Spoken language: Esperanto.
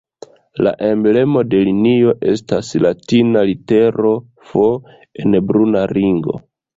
La emblemo de linio estas latina litero "F" en bruna ringo.